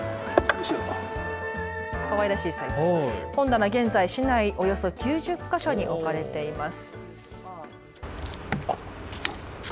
本棚、現在、市内およそ９０か所に置かれています。